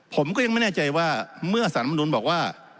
ผมก็ยังไม่แน่ใจว่าเมื่อสารมนุนบอกว่า